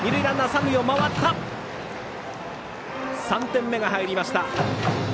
３点目が入りました。